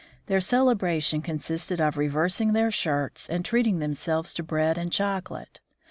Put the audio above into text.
Their celebration consisted of reversing their shirts, and treating themselves to bread and chocolate.